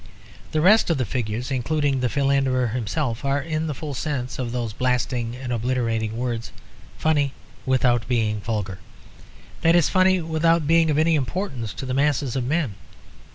The rest of the figures, including the Philanderer himself, are in the full sense of those blasting and obliterating words "funny without being vulgar," that is, funny without being of any importance to the masses of men.